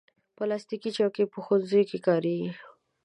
پلاستيکي چوکۍ په ښوونځیو کې کارېږي.